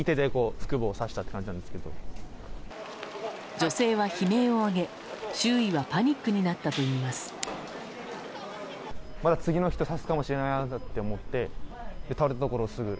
女性は悲鳴を上げ、周囲はパニックになったといいます。